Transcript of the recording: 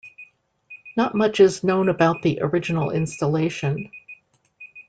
Not much is known about the original installation.